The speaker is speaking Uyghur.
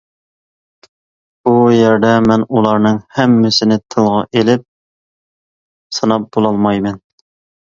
بۇ يەردە مەن ئۇلارنىڭ ھەممىسىنى تىلغا ئېلىپ ساناپ بولالمايمەن.